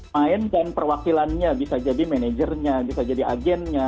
mainkan perwakilannya bisa jadi manajernya bisa jadi agennya